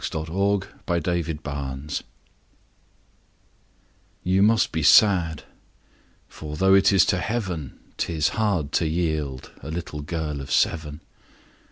To Two Bereaved YOU must be sad; for though it is to Heaven, 'Tis hard to yield a little girl of seven.